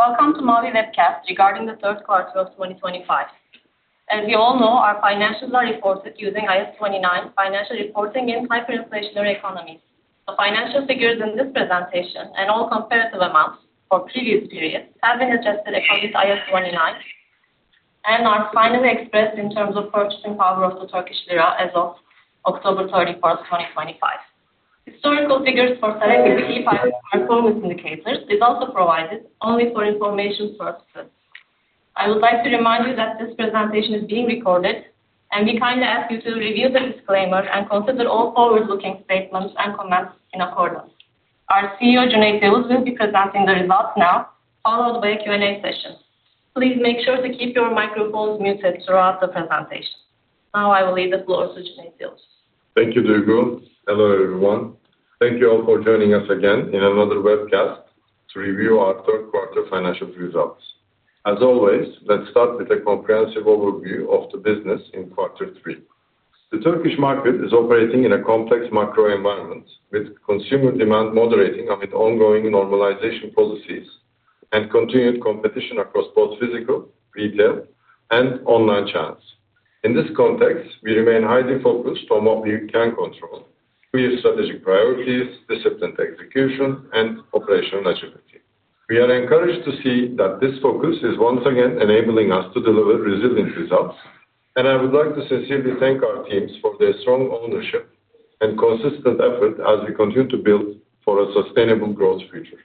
Welcome to Mavi Webcast regarding the Third Quarter of 2025. As you all know, our financials are reported using IAS 29 Financial Reporting in Hyperinflationary Economies. The financial figures in this presentation, and all comparative amounts for previous periods, have been adjusted according to IAS 29 and are finally expressed in terms of purchasing power of the Turkish Lira as of October 31, 2025. Historical figures for selected key financial performance indicators are also provided only for information purposes. I would like to remind you that this presentation is being recorded, and we kindly ask you to review the disclaimer and consider all forward-looking statements and comments in accordance. Our CEO, Cüneyt Yavuz, will be presenting the results now, followed by a Q&A session. Please make sure to keep your microphones muted throughout the presentation. Now, I will leave the floor to Cüneyt Yavuz. Thank you, Duygu. Hello, everyone. Thank you all for joining us again in another Webcast to Review Our Third Quarter Financial Results. As always, let's start with a comprehensive overview of the business in quarter three. The Turkish market is operating in a complex macro environment, with consumer demand moderating amid ongoing normalization policies and continued competition across both physical, retail, and online channels. In this context, we remain highly focused on what we can control: clear strategic priorities, disciplined execution, and operational agility. We are encouraged to see that this focus is once again enabling us to deliver resilient results, and I would like to sincerely thank our teams for their strong ownership and consistent effort as we continue to build for a sustainable growth future.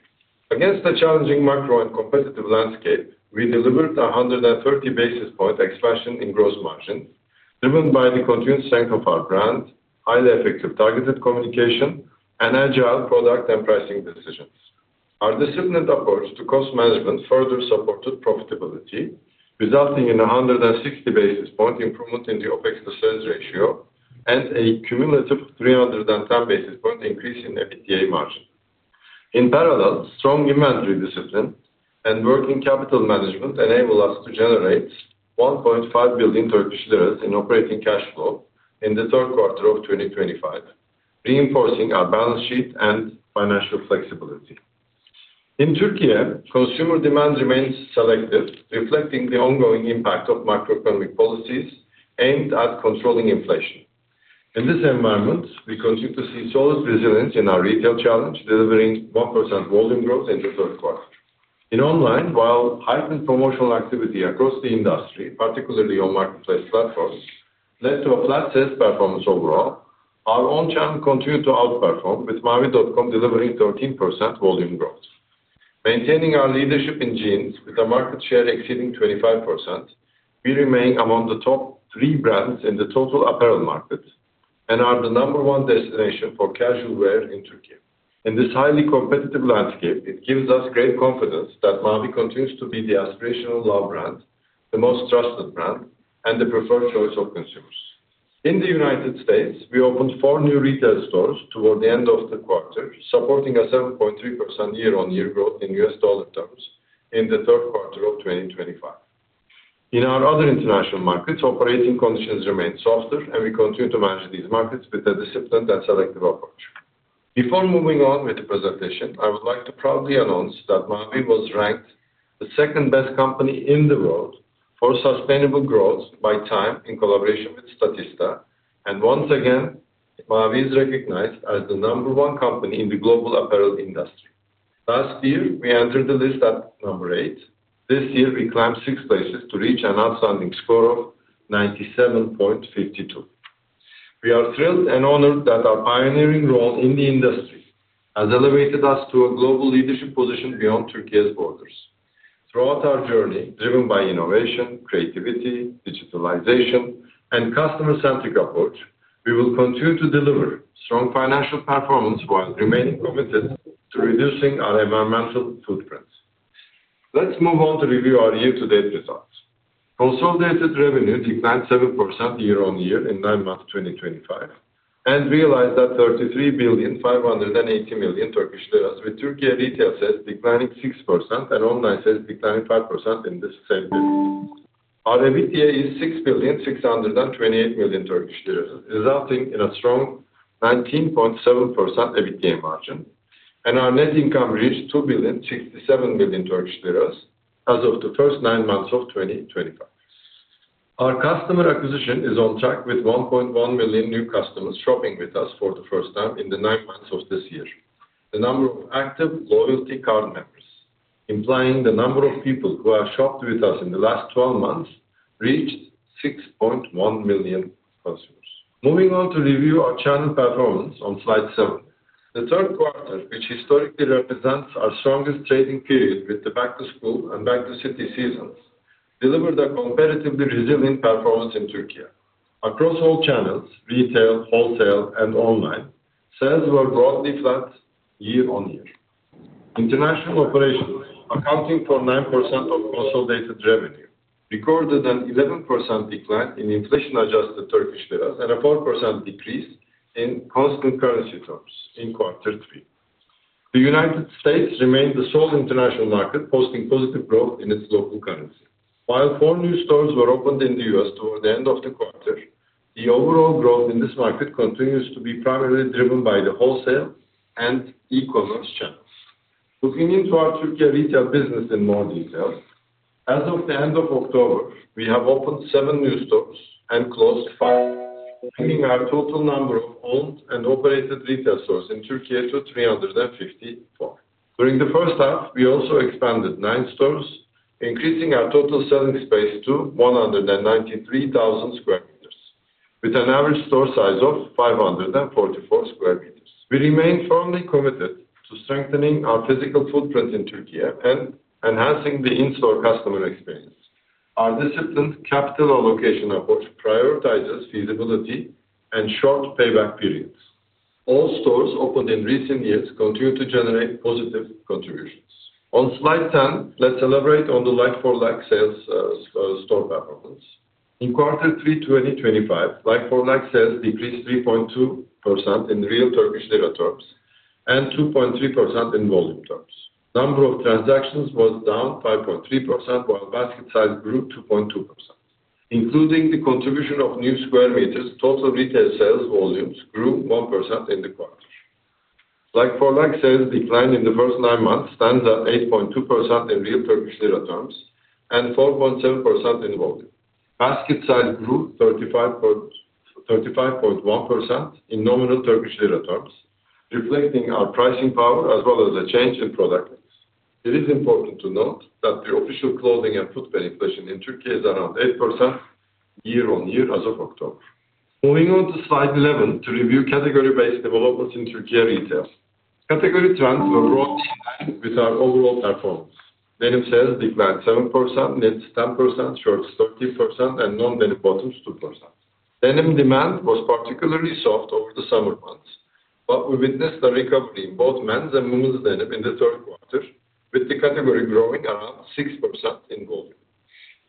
Against a challenging macro and competitive landscape, we delivered a 130 basis point expansion in gross margin, driven by the continued strength of our brand, highly effective targeted communication, and agile product and pricing decisions. Our disciplined approach to cost management further supported profitability, resulting in a 160 basis point improvement in the OPEX to sales ratio and a cumulative 310 basis point increase in EBITDA margin. In parallel, strong inventory discipline and working capital management enable us to generate 1.5 billion Turkish lira in operating cash flow in the third quarter of 2025, reinforcing our balance sheet and financial flexibility. In Türkiye, consumer demand remains selective, reflecting the ongoing impact of macroeconomic policies aimed at controlling inflation. In this environment, we continue to see solid resilience in our retail channel, delivering 1% volume growth in the third quarter. In online, while heightened promotional activity across the industry, particularly on marketplace platforms, led to a flat sales performance overall, our own channel continued to outperform, with Mavi.com delivering 13% volume growth. Maintaining our leadership in jeans with a market share exceeding 25%, we remain among the top three brands in the total apparel market and are the number one destination for casual wear in Türkiye. In this highly competitive landscape, it gives us great confidence that Mavi continues to be the aspirational love brand, the most trusted brand, and the preferred choice of consumers. In the United States, we opened four new retail stores toward the end of the quarter, supporting a 7.3% year-on-year growth in U.S. dollar terms in the third quarter of 2025. In our other international markets, operating conditions remain softer, and we continue to manage these markets with a disciplined and selective approach. Before moving on with the presentation, I would like to proudly announce that Mavi was ranked the second best company in the world for sustainable growth by TIME in collaboration with Statista, and once again, Mavi is recognized as the number one company in the global apparel industry. Last year, we entered the list at number eight. This year, we climbed six places to reach an outstanding score of 97.52. We are thrilled and honored that our pioneering role in the industry has elevated us to a global leadership position beyond Türkiye's borders. Throughout our journey, driven by innovation, creativity, digitalization, and a customer-centric approach, we will continue to deliver strong financial performance while remaining committed to reducing our environmental footprint. Let's move on to review our year-to-date results. Consolidated revenue declined 7% year-on-year in nine months 2025 and realized at 33,580 million Turkish lira, with Türkiye retail sales declining 6% and online sales declining 5% in the same period. Our EBITDA is TRY 6,628 million, resulting in a strong 19.7% EBITDA margin, and our net income reached 2,067 million Turkish lira as of the first nine months of 2025. Our customer acquisition is on track, with 1.1 million new customers shopping with us for the first time in the nine months of this year. The number of active loyalty card members, implying the number of people who have shopped with us in the last 12 months, reached 6.1 million consumers. Moving on to review our channel performance on slide seven, the third quarter, which historically represents our strongest trading period with the back-to-school and back-to-city seasons, delivered a comparatively resilient performance in Türkiye. Across all channels, retail, wholesale, and online, sales were broadly flat year-on-year. International operations, accounting for 9% of consolidated revenue, recorded an 11% decline in inflation-adjusted Turkish liras and a 4% decrease in constant currency terms in quarter three. The United States remained the sole international market, posting positive growth in its local currency. While four new stores were opened in the U.S. toward the end of the quarter, the overall growth in this market continues to be primarily driven by the wholesale and e-commerce channels. Looking into our Türkiye retail business in more detail, as of the end of October, we have opened seven new stores and closed five, bringing our total number of owned and operated retail stores in Türkiye to 354. During the first half, we also expanded nine stores, increasing our total selling space to 193,000 square meters, with an average store size of 544 square meters. We remain firmly committed to strengthening our physical footprint in Türkiye and enhancing the in-store customer experience. Our disciplined capital allocation approach prioritizes feasibility and short payback periods. All stores opened in recent years continue to generate positive contributions. On slide ten, let's elaborate on the like-for-like sales store performance. In quarter three 2025, like-for-like sales decreased 3.2% in real Turkish lira terms and 2.3% in volume terms. The number of transactions was down 5.3%, while basket size grew 2.2%. Including the contribution of new square meters, total retail sales volumes grew 1% in the quarter. Like-for-like sales declined in the first nine months, stands at 8.2% in real Turkish lira terms and 4.7% in volume. Basket size grew 35.1% in nominal Turkish lira terms, reflecting our pricing power as well as a change in product needs. It is important to note that the official clothing and footwear inflation in Türkiye is around 8% year-on-year as of October. Moving on to slide 11 to review category-based developments in Türkiye retail. Category trends were broadly aligned with our overall performance. Denim sales declined 7%, knits 10%, shirts 13%, and non-denim bottoms 2%. Denim demand was particularly soft over the summer months, but we witnessed a recovery in both men's and women's denim in the third quarter, with the category growing around 6% in volume.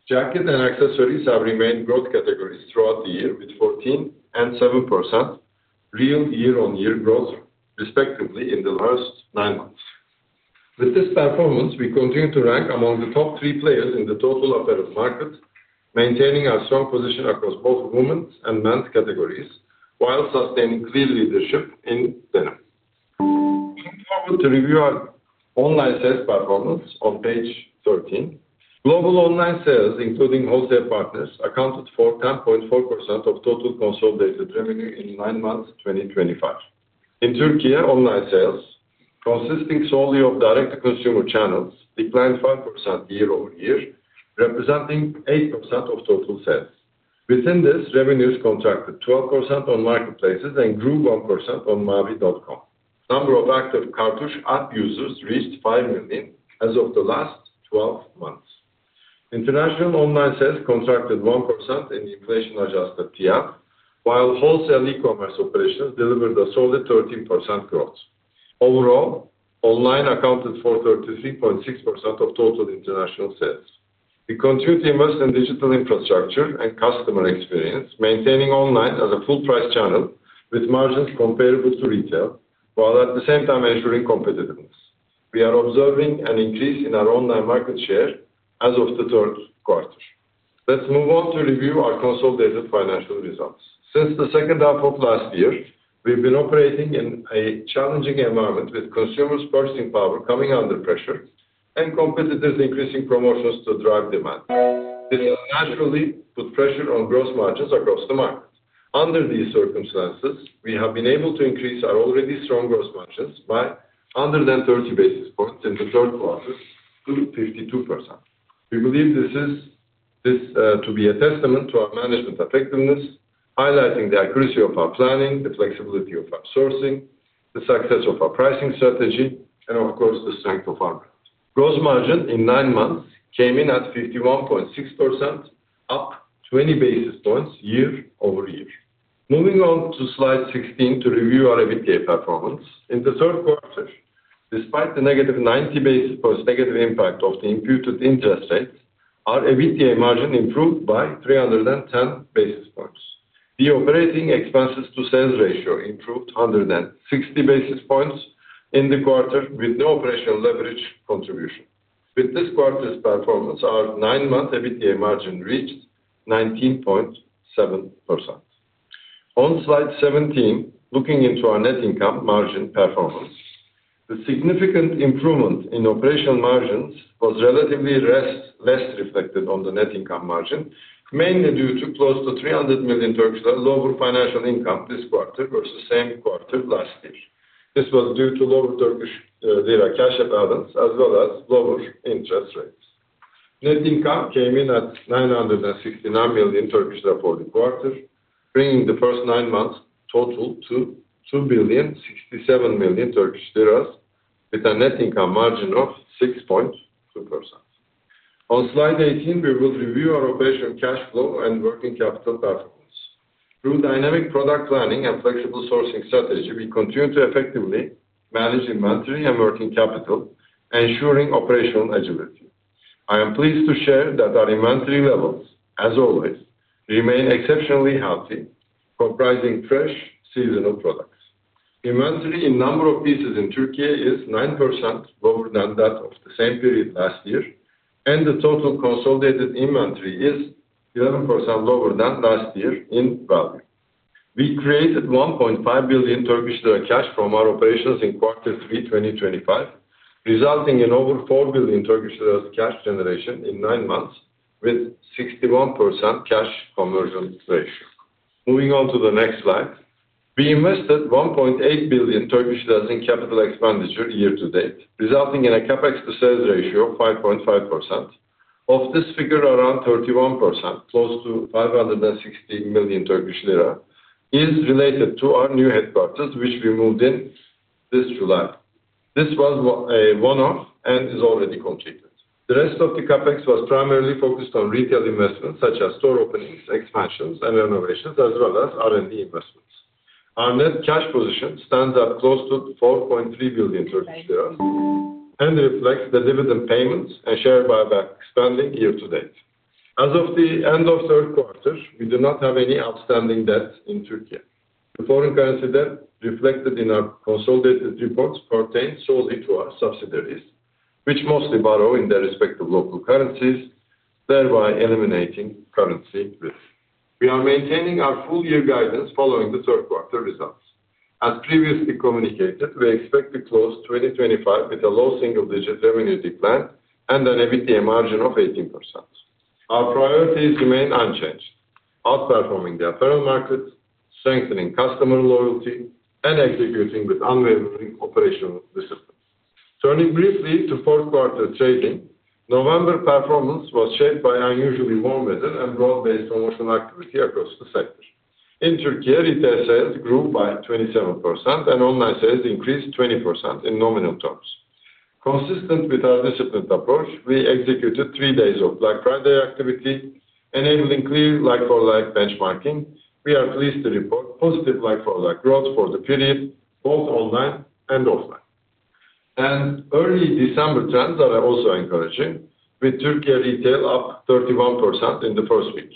Jackets and accessories have remained growth categories throughout the year, with 14% and 7% real year-on-year growth, respectively, in the first nine months. With this performance, we continue to rank among the top three players in the total apparel market, maintaining our strong position across both women's and men's categories, while sustaining clear leadership in denim. Moving forward to review our online sales performance on page thirteen, global online sales, including wholesale partners, accounted for 10.4% of total consolidated revenue in nine months 2025. In Türkiye, online sales, consisting solely of direct-to-consumer channels, declined 5% year-over-year, representing 8% of total sales. Within this, revenues contracted 12% on marketplaces and grew 1% on Mavi.com. The number of active Kartuş app users reached 5 million as of the last 12 months. International online sales contracted 1% in inflation-adjusted TL, while wholesale e-commerce operations delivered a solid 13% growth. Overall, online accounted for 33.6% of total international sales. We continue to invest in digital infrastructure and customer experience, maintaining online as a full-price channel with margins comparable to retail, while at the same time ensuring competitiveness. We are observing an increase in our online market share as of the third quarter. Let's move on to review our consolidated financial results. Since the second half of last year, we've been operating in a challenging environment, with consumers' purchasing power coming under pressure and competitors increasing promotions to drive demand. This has naturally put pressure on gross margins across the market. Under these circumstances, we have been able to increase our already strong gross margins by 130 basis points in the third quarter to 52%. We believe this to be a testament to our management effectiveness, highlighting the accuracy of our planning, the flexibility of our sourcing, the success of our pricing strategy, and, of course, the strength of our brand. Gross margin in nine months came in at 51.6%, up 20 basis points year-over-year. Moving on to slide sixteen to review our EBITDA performance. In the third quarter, despite the negative 90 basis points negative impact of the imputed interest rate, our EBITDA margin improved by 310 basis points. The operating expenses to sales ratio improved 160 basis points in the quarter, with no operational leverage contribution. With this quarter's performance, our nine-month EBITDA margin reached 19.7%. On slide seventeen, looking into our net income margin performance, the significant improvement in operational margins was relatively less reflected on the net income margin, mainly due to close to 300 million Turkish lira lower financial income this quarter versus the same quarter last year. This was due to lower Turkish lira cash imbalance as well as lower interest rates. Net income came in at 969 million Turkish lira for the quarter, bringing the first nine months total to 2,067 million Turkish liras, with a net income margin of 6.2%. On slide eighteen, we will review our operational cash flow and working capital performance. Through dynamic product planning and flexible sourcing strategy, we continue to effectively manage inventory and working capital, ensuring operational agility. I am pleased to share that our inventory levels, as always, remain exceptionally healthy, comprising fresh seasonal products. Inventory in number of pieces in Türkiye is 9% lower than that of the same period last year, and the total consolidated inventory is 11% lower than last year in value. We created 1.5 billion Turkish lira cash from our operations in quarter three 2025, resulting in over 4 billion Turkish lira cash generation in nine months, with 61% cash conversion ratio. Moving on to the next slide, we invested TRY 1.8 billion in capital expenditure year-to-date, resulting in a CAPEX-to-sales ratio of 5.5%. Of this figure, around 31%, close to 560 million Turkish lira, is related to our new headquarters, which we moved in this July. This was a one-off and is already completed. The rest of the CAPEX was primarily focused on retail investments, such as store openings, expansions, and renovations, as well as R&D investments. Our net cash position stands at close to 4.3 billion Turkish lira and reflects the dividend payments and share buyback spending year-to-date. As of the end of third quarter, we do not have any outstanding debt in Türkiye. The foreign currency debt reflected in our consolidated reports pertains solely to our subsidiaries, which mostly borrow in their respective local currencies, thereby eliminating currency risk. We are maintaining our full-year guidance following the third quarter results. As previously communicated, we expect to close 2025 with a low single-digit revenue decline and an EBITDA margin of 18%. Our priorities remain unchanged: outperforming the apparel market, strengthening customer loyalty, and executing with unwavering operational discipline. Turning briefly to fourth quarter trading, November performance was shaped by unusually warm weather and broad-based promotional activity across the sector. In Türkiye, retail sales grew by 27%, and online sales increased 20% in nominal terms. Consistent with our disciplined approach, we executed three days of Black Friday activity, enabling clear like-for-like benchmarking. We are pleased to report positive like-for-like growth for the period, both online and offline, and early December trends are also encouraging, with Türkiye retail up 31% in the first week.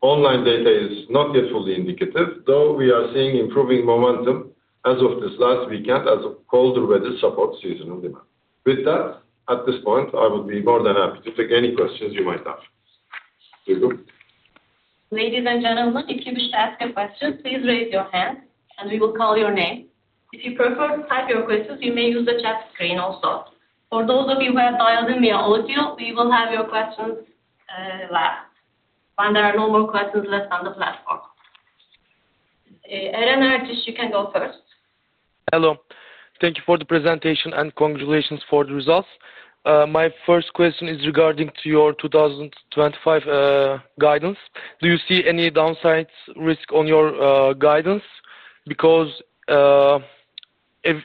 Online data is not yet fully indicative, though we are seeing improving momentum as of this last weekend, as colder weather supports seasonal demand. With that, at this point, I would be more than happy to take any questions you might have. Ladies and gentlemen, if you wish to ask a question, please raise your hand, and we will call your name. If you prefer to type your questions, you may use the chat screen also. For those of you who have dialed in via audio, we will have your questions last, when there are no more questions left on the platform. Eren Ertaş, you can go first. Hello. Thank you for the presentation and congratulations for the results. My first question is regarding your 2025 guidance. Do you see any downside risk on your guidance? Because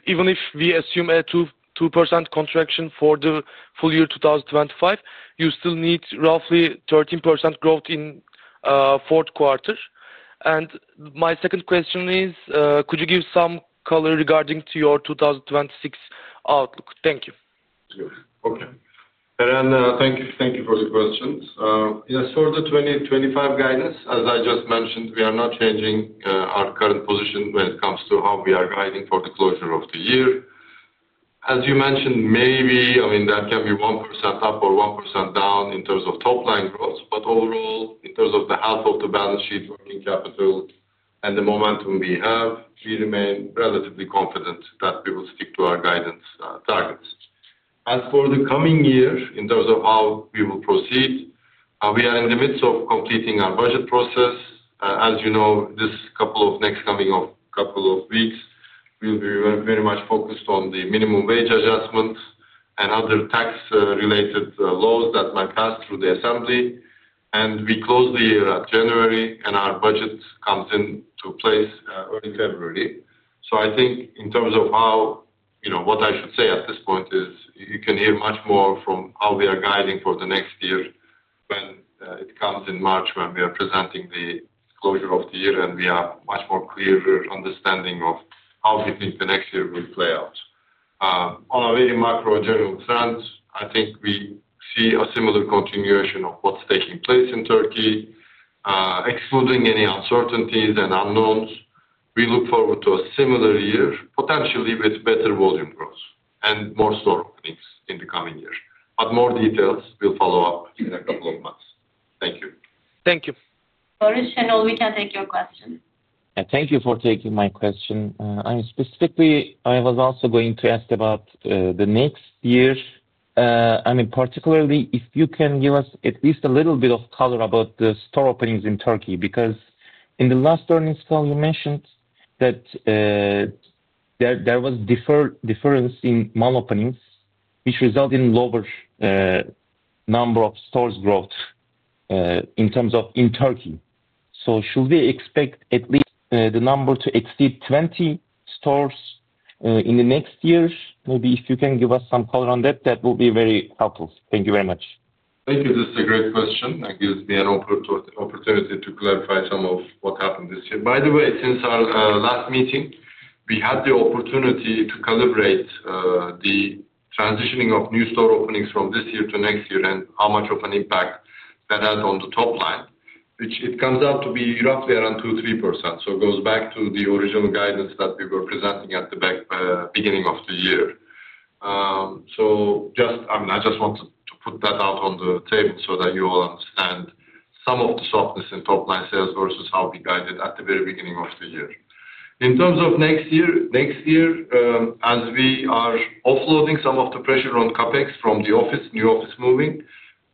even if we assume a 2% contraction for the full year 2025, you still need roughly 13% growth in the fourth quarter. And my second question is, could you give some color regarding your 2026 outlook? Thank you. Okay. Eren, thank you for the questions. Yes, for the 2025 guidance, as I just mentioned, we are not changing our current position when it comes to how we are guiding for the closure of the year. As you mentioned, maybe, I mean, that can be 1% up or 1% down in terms of top-line growth, but overall, in terms of the health of the balance sheet, working capital, and the momentum we have, we remain relatively confident that we will stick to our guidance targets. As for the coming year, in terms of how we will proceed, we are in the midst of completing our budget process. As you know, this coming couple of weeks, we'll be very much focused on the minimum wage adjustment and other tax-related laws that might pass through the assembly, and we close the year at January, and our budget comes into place early February. I think in terms of what I should say at this point is you can hear much more from how we are guiding for the next year when it comes in March, when we are presenting the closure of the year, and we have a much more clearer understanding of how we think the next year will play out. On a very macro-general front, I think we see a similar continuation of what's taking place in Turkey, excluding any uncertainties and unknowns. We look forward to a similar year, potentially with better volume growth and more store openings in the coming year. But more details will follow up in a couple of months. Thank you. Thank you. Barış Şenol, we can take your question. Thank you for taking my question. I mean, specifically, I was also going to ask about the next year. I mean, particularly if you can give us at least a little bit of color about the store openings in Turkey, because in the last earnings call, you mentioned that there was a difference in mall openings, which resulted in a lower number of stores growth in terms of in Turkey. So should we expect at least the number to exceed 20 stores in the next year? Maybe if you can give us some color on that, that will be very helpful. Thank you very much. Thank you. This is a great question. It gives me an opportunity to clarify some of what happened this year. By the way, since our last meeting, we had the opportunity to calibrate the transitioning of new store openings from this year to next year and how much of an impact that had on the top line, which it comes out to be roughly around 2%-3%. So it goes back to the original guidance that we were presenting at the beginning of the year. So I mean, I just wanted to put that out on the table so that you all understand some of the softness in top-line sales versus how we guided at the very beginning of the year. In terms of next year, next year, as we are offloading some of the pressure on CapEx from the office, new office moving,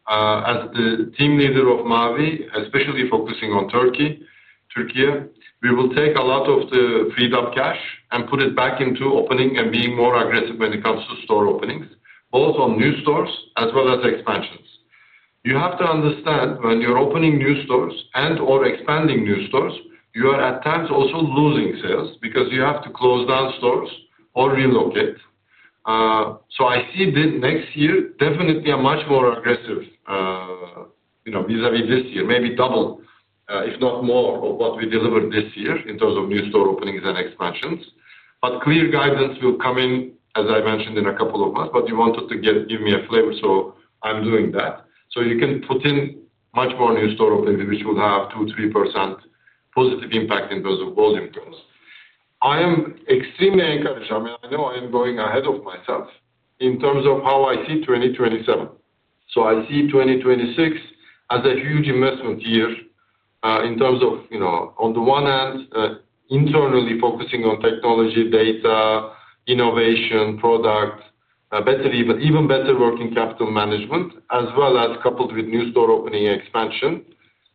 as the team leader of Mavi, especially focusing on Türkiye, we will take a lot of the freed-up cash and put it back into opening and being more aggressive when it comes to store openings, both on new stores as well as expansions. You have to understand when you're opening new stores and/or expanding new stores, you are at times also losing sales because you have to close down stores or relocate. So I see next year definitely a much more aggressive vis-à-vis this year, maybe double, if not more, of what we delivered this year in terms of new store openings and expansions. But clear guidance will come in, as I mentioned, in a couple of months, but you wanted to give me a flavor, so I'm doing that. So you can put in much more new store openings, which will have 2-3% positive impact in terms of volume growth. I am extremely encouraged. I mean, I know I am going ahead of myself in terms of how I see 2027. So I see 2026 as a huge investment year in terms of, on the one hand, internally focusing on technology, data, innovation, product, better, even better working capital management, as well as coupled with new store opening expansion,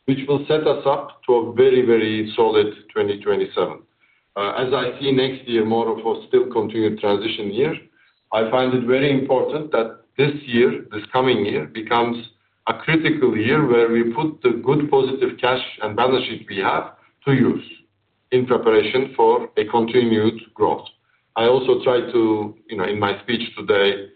which will set us up to a very, very solid 2027. As I see next year more of a still continued transition year, I find it very important that this year, this coming year, becomes a critical year where we put the good positive cash and balance sheet we have to use in preparation for a continued growth. I also tried to in my speech today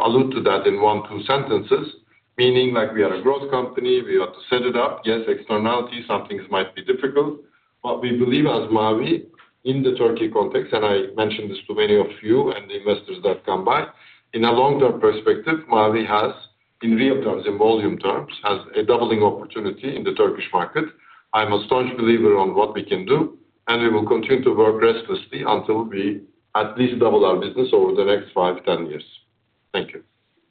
allude to that in one or two sentences, meaning we are a growth company, we ought to set it up. Yes, externality, some things might be difficult, but we believe as Mavi in the Turkey context, and I mentioned this to many of you and the investors that come by, in a long-term perspective, Mavi has, in real terms, in volume terms, has a doubling opportunity in the Turkish market. I'm a staunch believer on what we can do, and we will continue to work restlessly until we at least double our business over the next 5-10 years. Thank you.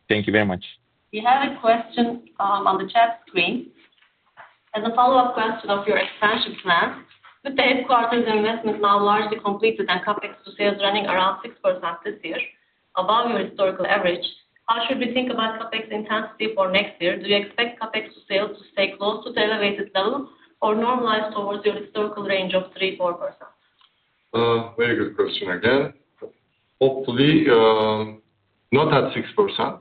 Thank you very much. We have a question on the chat screen. As a follow-up question of your expansion plan, with the headquarters investment now largely completed and CapEx to sales running around 6% this year, above your historical average, how should we think about CapEx intensity for next year? Do you expect CapEx to sales to stay close to the elevated level or normalize towards your historical range of 3-4%? Very good question again. Hopefully, not at 6%,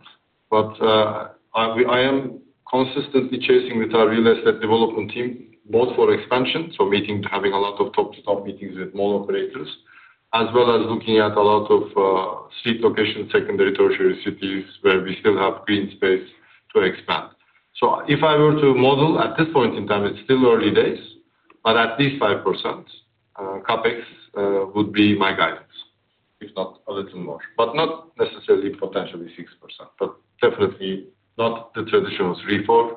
but I am consistently chasing with our real estate development team, both for expansion, so meeting, having a lot of top-to-top meetings with mall operators, as well as looking at a lot of street locations, secondary tertiary cities where we still have green space to expand. So if I were to model at this point in time, it's still early days, but at least 5% CapEx would be my guidance, if not a little more, but not necessarily potentially 6%, but definitely not the traditional 3%-4%,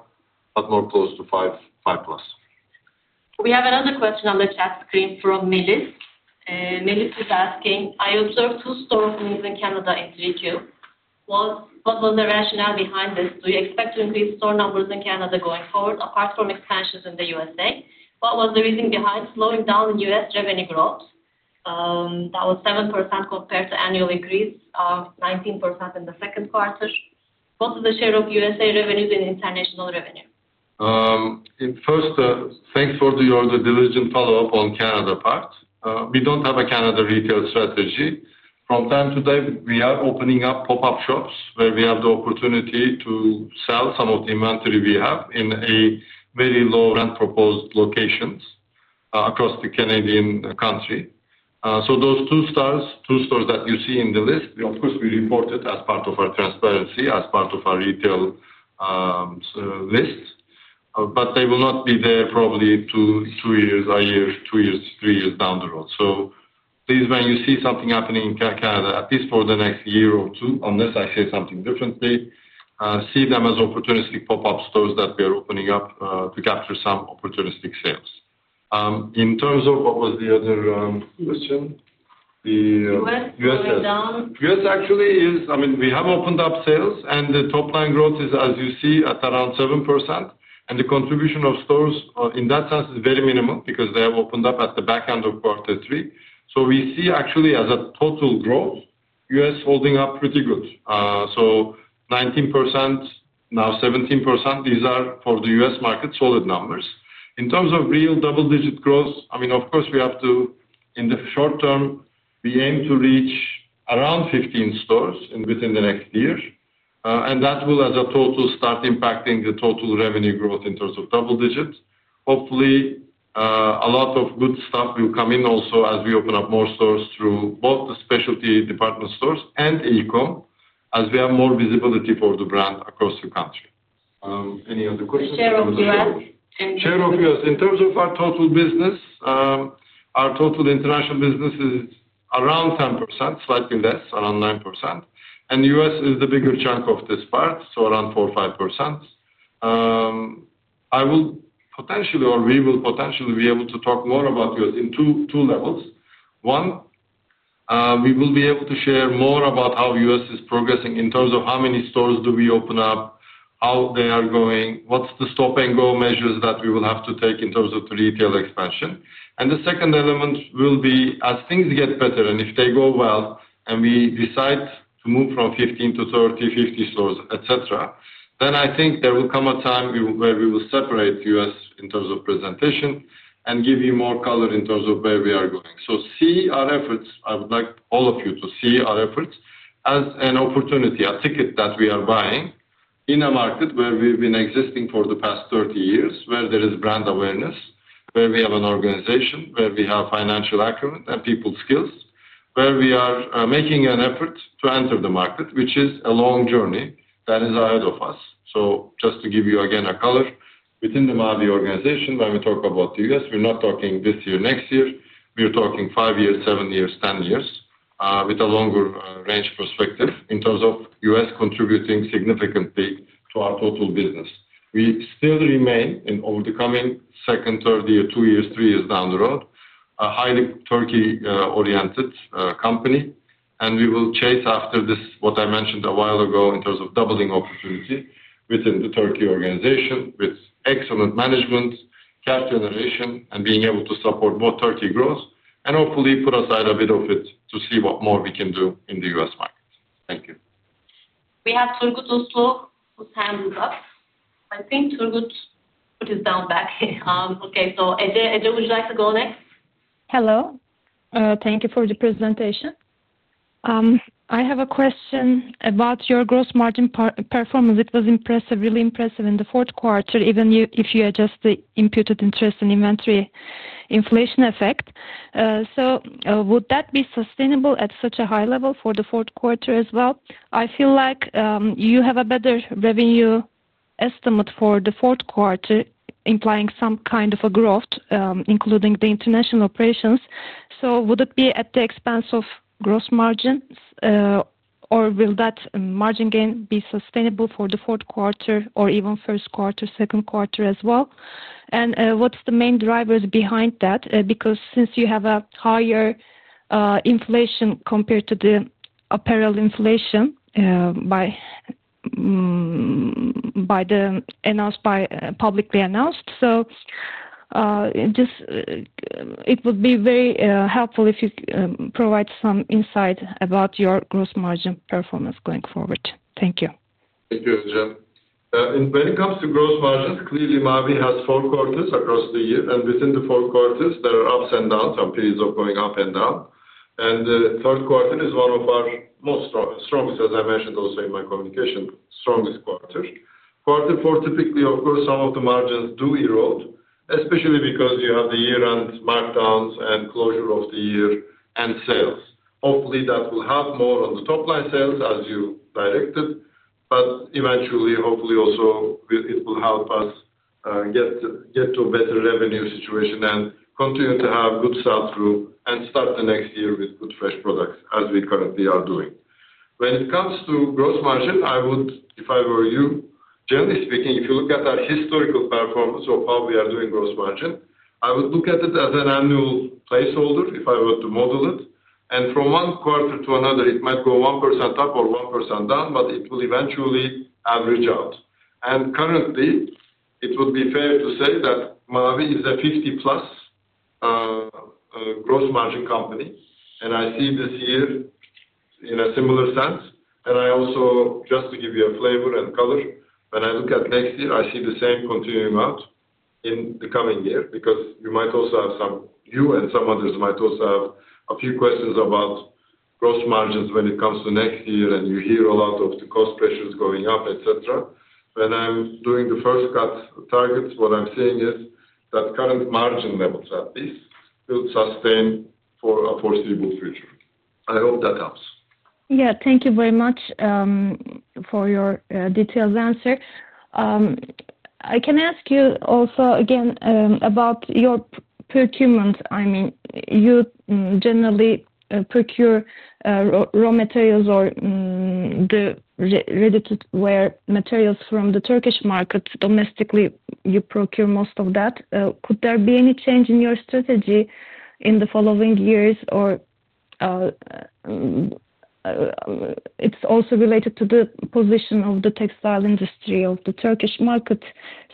but more close to 5% plus. We have another question on the chat screen from Melis. Melis is asking, "I observed two store openings in Canada in 3Q. What was the rationale behind this? Do you expect to increase store numbers in Canada going forward, apart from expansions in the USA? What was the reason behind slowing down U.S. revenue growth?" That was 7% compared to annual increase of 19% in the second quarter. What was the share of U.S.A. revenues in international revenue? First, thanks for your diligent follow-up on Canada part. We don't have a Canada retail strategy. From time to time, we are opening up pop-up shops where we have the opportunity to sell some of the inventory we have in very low-rent pop-up locations across Canada. So those two stores that you see in the list, of course, we reported as part of our transparency, as part of our retail list, but they will not be there probably two years, a year, two years, three years down the road. So please, when you see something happening in Canada, at least for the next year or two, unless I say something differently, see them as opportunistic pop-up stores that we are opening up to capture some opportunistic sales. In terms of what was the other question? The US sales. US actually is, I mean, we have opened up sales, and the top-line growth is, as you see, at around 7%, and the contribution of stores in that sense is very minimal because they have opened up at the back end of quarter three. So we see actually as a total growth, US holding up pretty good. So 19%, now 17%, these are for the US market, solid numbers. In terms of real double-digit growth, I mean, of course, we have to, in the short term, we aim to reach around 15 stores within the next year, and that will, as a total, start impacting the total revenue growth in terms of double digits. Hopefully, a lot of good stuff will come in also as we open up more stores through both the specialty department stores and e-com, as we have more visibility for the brand across the country. Any other questions from the audience? Share of U.S. Share of U.S. In terms of our total business, our total international business is around 10%, slightly less, around 9%, and U.S. is the bigger chunk of this part, so around 4%-5%. I will potentially, or we will potentially be able to talk more about U.S. in two levels. One, we will be able to share more about how U.S. is progressing in terms of how many stores do we open up, how they are going, what's the stop-and-go measures that we will have to take in terms of the retail expansion, and the second element will be, as things get better, and if they go well and we decide to move from 15 to 30, 50 stores, etc., then I think there will come a time where we will separate U.S. in terms of presentation and give you more color in terms of where we are going, so see our efforts. I would like all of you to see our efforts as an opportunity, a ticket that we are buying in a market where we've been existing for the past 30 years, where there is brand awareness, where we have an organization, where we have financial acumen and people skills, where we are making an effort to enter the market, which is a long journey that is ahead of us. So just to give you again a color, within the Mavi organization, when we talk about the U.S., we're not talking this year, next year. We're talking five years, seven years, 10 years, with a longer range perspective in terms of U.S. contributing significantly to our total business. We still remain however over the coming second, third year, two years, three years down the road, a highly Turkey-oriented company, and we will chase after this, what I mentioned a while ago in terms of doubling opportunity within the Turkey organization, with excellent management, cash generation, and being able to support both Turkey growth, and hopefully put aside a bit of it to see what more we can do in the US market. Thank you. We have Turgut Uslu, whose hand is up. I think Turgut put his hand back down. Okay. So Ece, Ece, would you like to go next? Hello. Thank you for the presentation. I have a question about your gross margin performance. It was impressive, really impressive in the fourth quarter, even if you adjust the imputed interest and inventory inflation effect. So would that be sustainable at such a high level for the fourth quarter as well? I feel like you have a better revenue estimate for the fourth quarter, implying some kind of a growth, including the international operations. So would it be at the expense of gross margins, or will that margin gain be sustainable for the fourth quarter, or even first quarter, second quarter as well? And what's the main drivers behind that? Because since you have a higher inflation compared to the apparel inflation announced by publicly announced, so it would be very helpful if you provide some insight about your gross margin performance going forward. Thank you. Thank you, Ece. When it comes to gross margins, clearly, Mavi has four quarters across the year, and within the four quarters, there are ups and downs, some periods of going up and down. The third quarter is one of our most strongest, as I mentioned also in my communication, strongest quarter. Quarter four, typically, of course, some of the margins do erode, especially because you have the year-end markdowns and closure of the year and sales. Hopefully, that will help more on the top-line sales, as you directed, but eventually, hopefully, also it will help us get to a better revenue situation and continue to have good sales through and start the next year with good fresh products, as we currently are doing. When it comes to gross margin, I would, if I were you, generally speaking, if you look at our historical performance of how we are doing gross margin, I would look at it as an annual placeholder if I were to model it. From one quarter to another, it might go 1% up or 1% down, but it will eventually average out. Currently, it would be fair to say that Mavi is a 50+% gross margin company, and I see this year in a similar sense. I also, just to give you a flavor and color, when I look at next year, I see the same continuing out in the coming year because you might also have some you and some others might also have a few questions about gross margins when it comes to next year, and you hear a lot of the cost pressures going up, etc. When I'm doing the first cut targets, what I'm seeing is that current margin levels, at least, will sustain for a foreseeable future. I hope that helps. Yeah. Thank you very much for your detailed answer. I can ask you also again about your procurement. I mean, you generally procure raw materials or the ready-to-wear materials from the Turkish market. Domestically, you procure most of that. Could there be any change in your strategy in the following years, or it's also related to the position of the textile industry of the Turkish market?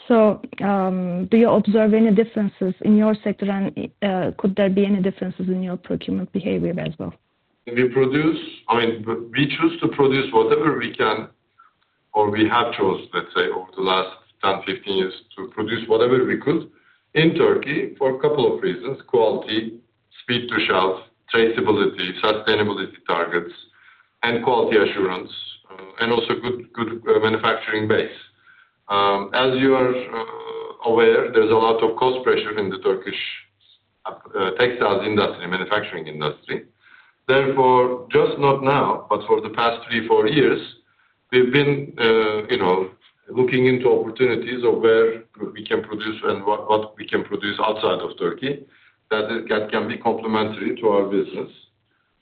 So do you observe any differences in your sector, and could there be any differences in your procurement behavior as well? We produce. I mean, we choose to produce whatever we can, or we have chosen, let's say, over the last 10, 15 years to produce whatever we could in Turkey for a couple of reasons: quality, speed to shelf, traceability, sustainability targets, and quality assurance, and also good manufacturing base. As you are aware, there's a lot of cost pressure in the Turkish textile industry, manufacturing industry. Therefore, just not now, but for the past three, four years, we've been looking into opportunities of where we can produce and what we can produce outside of Turkey that can be complementary to our business.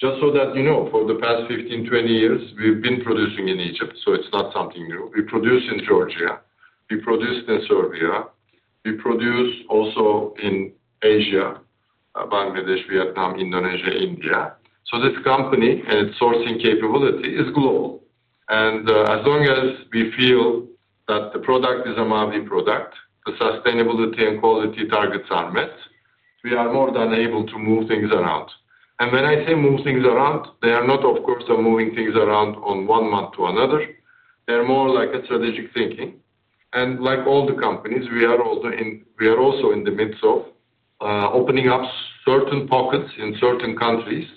Just so that you know, for the past 15, 20 years, we've been producing in Egypt, so it's not something new. We produce in Georgia. We produce in Serbia. We produce also in Asia, Bangladesh, Vietnam, Indonesia, India. So this company and its sourcing capability is global. And as long as we feel that the product is a Mavi product, the sustainability and quality targets are met, we are more than able to move things around. And when I say move things around, they are not, of course, moving things around from one month to another. They're more like a strategic thinking. Like all the companies, we are also in the midst of opening up certain pockets in certain countries,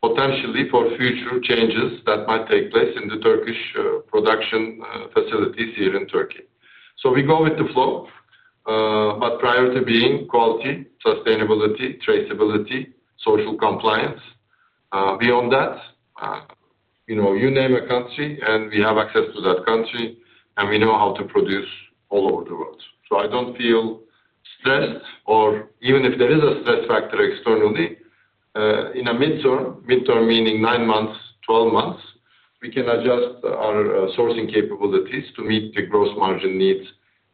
potentially for future changes that might take place in the Turkish production facilities here in Turkey. So we go with the flow. But prior to being, quality, sustainability, traceability, social compliance. Beyond that, you name a country, and we have access to that country, and we know how to produce all over the world. So I don't feel stressed, or even if there is a stress factor externally, in a midterm, midterm meaning nine months, 12 months, we can adjust our sourcing capabilities to meet the gross margin needs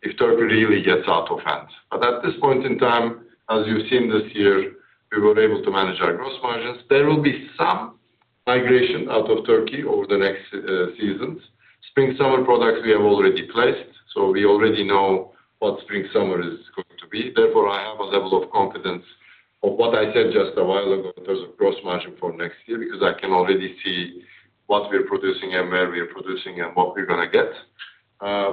if Turkey really gets out of hand. But at this point in time, as you've seen this year, we were able to manage our gross margins. There will be some migration out of Turkey over the next seasons. Spring-summer products we have already placed, so we already know what spring-summer is going to be. Therefore, I have a level of confidence of what I said just a while ago in terms of gross margin for next year because I can already see what we're producing and where we're producing and what we're going to get.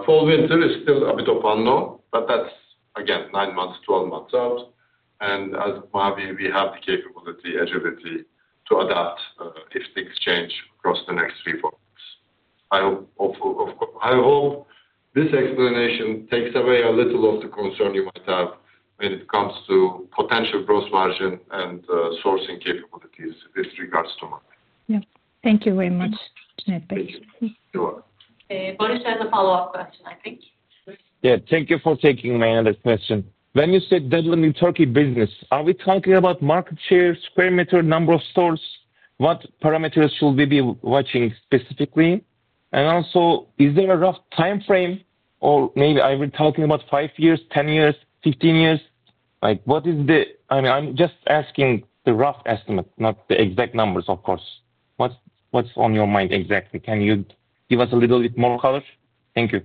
Fall-winter is still a bit of unknown, but that's, again, nine months, 12 months out, and as Mavi, we have the capability, agility to adapt if things change across the next three or four weeks. I hope this explanation takes away a little of the concern you might have when it comes to potential gross margin and sourcing capabilities with regards to Mavi. Yeah. Thank you very much. Thank you. Thank you. You're welcome. Banu, he has a follow-up question, I think. Yeah. Thank you for taking my other question. When you said leadership in Turkey business, are we talking about market share, square meter, number of stores? What parameters should we be watching specifically? And also, is there a rough time frame, or maybe are we talking about five years, 10 years, 15 years? What is the - I mean, I'm just asking the rough estimate, not the exact numbers, of course. What's on your mind exactly? Can you give us a little bit more color? Thank you.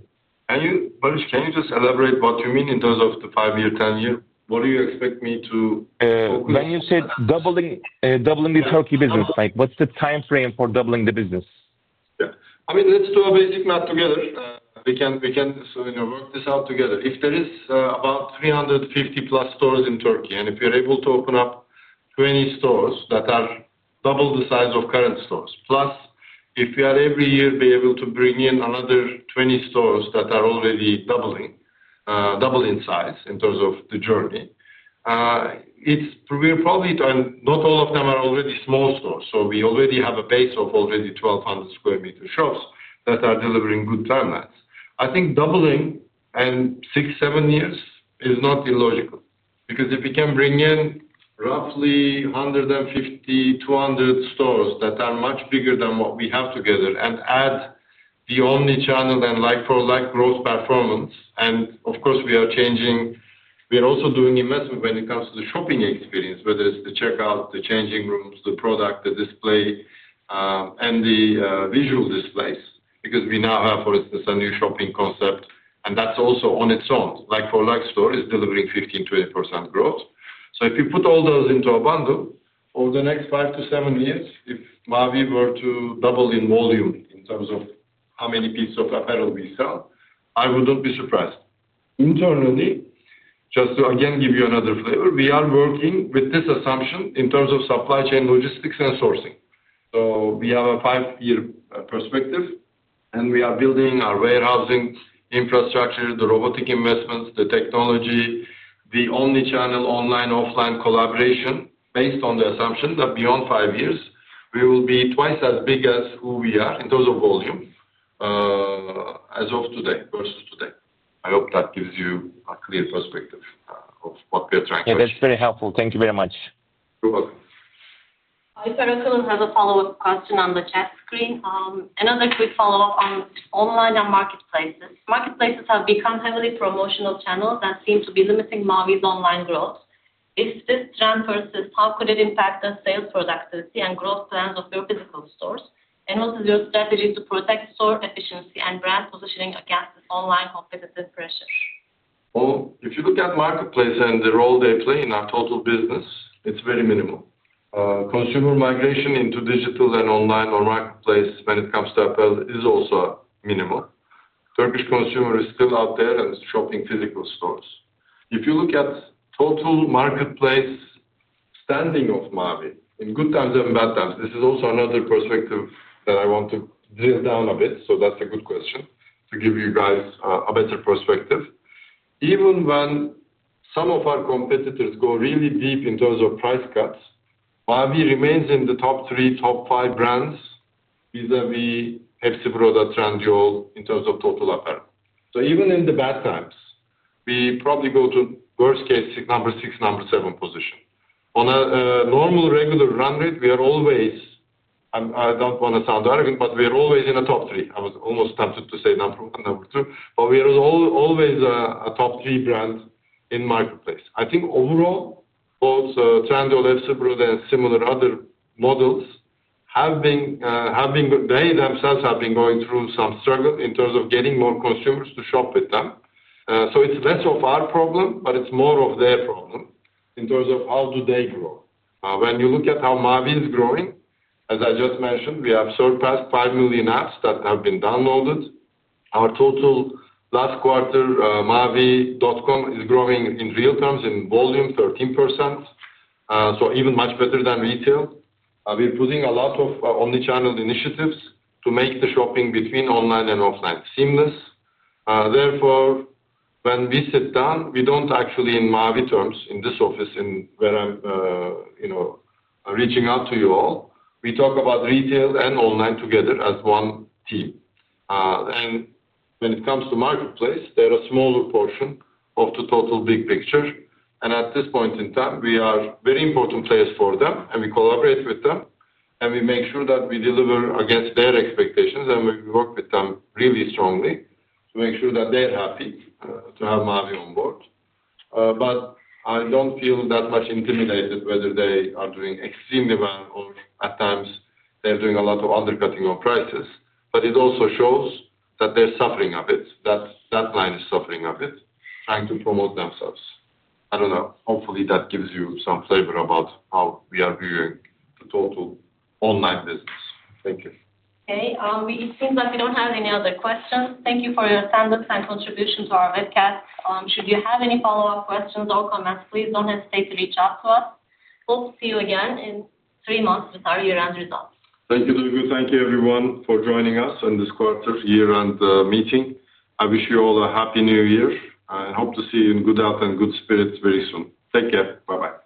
Can you just elaborate what you mean in terms of the five-year, 10-year? What do you expect me to focus on? When you said doubling the Turkey business, what's the time frame for doubling the business? Yeah. I mean, let's do a basic math together. We can work this out together. If there is about 350-plus stores in Turkey, and if you're able to open up 20 stores that are double the size of current stores, plus if we are every year be able to bring in another 20 stores that are already doubling in size in terms of the journey, we're probably, and not all of them are already small stores, so we already have a base of 1,200 square meter shops that are delivering good time lines. I think doubling in six-seven years is not illogical because if we can bring in roughly 150-200 stores that are much bigger than what we have together and add the omnichannel and like-for-like growth performance, and of course, we are changing, we're also doing investment when it comes to the shopping experience, whether it's the checkout, the changing rooms, the product, the display, and the visual displays because we now have, for instance, a new shopping concept, and that's also on its own. Like-for-like store is delivering 15%-20% growth. So if you put all those into a bundle, over the next five-seven years, if Mavi were to double in volume in terms of how many pieces of apparel we sell, I would not be surprised. Internally, just to again give you another flavor, we are working with this assumption in terms of supply chain logistics and sourcing. So we have a five-year perspective, and we are building our warehousing infrastructure, the robotic investments, the technology, the omnichannel online, offline collaboration based on the assumption that beyond five years, we will be twice as big as who we are in terms of volume as of today versus today. I hope that gives you a clear perspective of what we're trying to achieve. It's very helpful. Thank you very much. You're welcome. Aysel Akyol has a follow-up question on the chat screen. Another quick follow-up on online and marketplaces. Marketplaces have become heavily promotional channels that seem to be limiting Mavi's online growth. If this trend persists, how could it impact the sales productivity and growth plans of your physical stores? What is your strategy to protect store efficiency and brand positioning against this online competitive pressure? Well, if you look at marketplaces and the role they play in our total business, it's very minimal. Consumer migration into digital and online or marketplace when it comes to apparel is also minimal. Turkish consumer is still out there and is shopping physical stores. If you look at total marketplace standing of Mavi, in good times and bad times, this is also another perspective that I want to drill down a bit, so that's a good question to give you guys a better perspective. Even when some of our competitors go really deep in terms of price cuts, Mavi remains in the top three, top five brands vis-à-vis Hepsiburada, that's Trendyol in terms of total apparel. So even in the bad times, we probably go to worst-case number six, number seven position. On a normal regular run rate, we are always. I don't want to sound arrogant, but we are always in the top three. I was almost tempted to say number one, number two, but we are always a top three brand in marketplace. I think overall, both Trendyol, Hepsiburada, and similar other models have been. They themselves have been going through some struggle in terms of getting more consumers to shop with them. So it's less of our problem, but it's more of their problem in terms of how do they grow. When you look at how Mavi is growing, as I just mentioned, we have surpassed five million apps that have been downloaded. Our total last quarter, Mavi.com is growing in real terms in volume 13%, so even much better than retail. We're putting a lot of omnichannel initiatives to make the shopping between online and offline seamless. Therefore, when we sit down, we don't actually, in Mavi terms, in this office where I'm reaching out to you all, we talk about retail and online together as one team, and when it comes to marketplace, they're a smaller portion of the total big picture, and at this point in time, we are very important players for them, and we collaborate with them, and we make sure that we deliver against their expectations, and we work with them really strongly to make sure that they're happy to have Mavi on board, but I don't feel that much intimidated whether they are doing extremely well or at times they're doing a lot of undercutting of prices, but it also shows that they're suffering a bit, that that line is suffering a bit, trying to promote themselves. I don't know. Hopefully, that gives you some flavor about how we are viewing the total online business. Thank you. Okay. It seems like we don't have any other questions. Thank you for your stand-ups and contributions to our webcast. Should you have any follow-up questions or comments, please don't hesitate to reach out to us. Hope to see you again in three months with our year-end results. Thank you, Duygu. Thank you, everyone, for joining us in this quarter year-end meeting. I wish you all a Happy New Year and hope to see you in good health and good spirits very soon. Take care. Bye-bye.